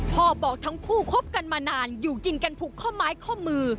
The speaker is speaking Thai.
บอกทั้งคู่คบกันมานานอยู่กินกันผูกข้อไม้ข้อมือ